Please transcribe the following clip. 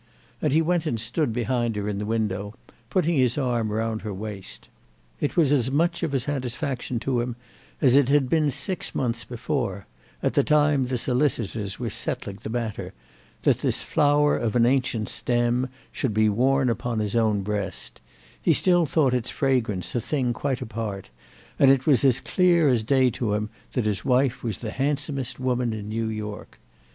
And he went and stood behind her in the window, putting his arm round her waist. It was as much of a satisfaction to him as it had been six months before, at the time the solicitors were settling the matter, that this flower of an ancient stem should be worn upon his own breast; he still thought its fragrance a thing quite apart, and it was as clear as day to him that his wife was the handsomest woman in New York.